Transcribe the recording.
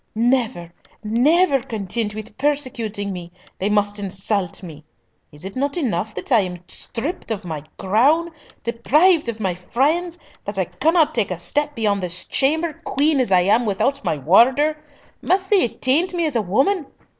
"Never, never content with persecuting me, they must insult me! Is it not enough that I am stripped of my crown, deprived of my friends; that I cannot take a step beyond this chamber, queen as I am, without my warder? Must they attaint me as a woman?